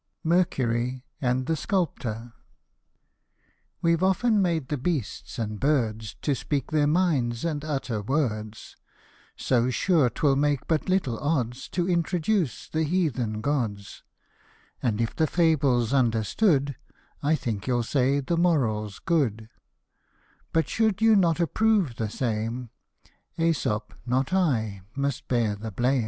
MERCURY AND THE SCULPTOR. WE'VE often made the beasts and birds To speak their minds, and utter words : So sure 'twill make but little odds To introduce the heathen gods ; And if the fable's understood, I think you'll say the moral's good ; But should you not approve the same, jEsop, not I must bear the blame.